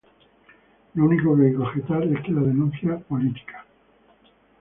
Lo único que hay que objetar es, que la denuncia política.